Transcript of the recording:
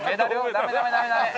ダメダメダメダメ。